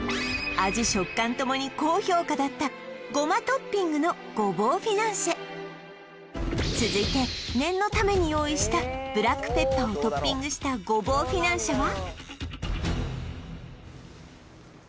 トッピングのごぼうフィナンシェ続いて念のために用意したブラックペッパーをトッピングしたごぼうフィナンシェは？